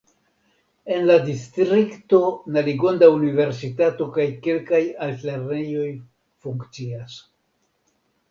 En la distrikto Naligonda universitato kaj kelkaj altlernejoj funkcias.